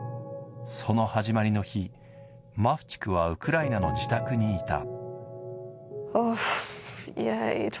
その始まりの日、マフチクはウクライナの自宅にいた。